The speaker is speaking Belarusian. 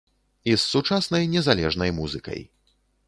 І з сучаснай незалежнай музыкай.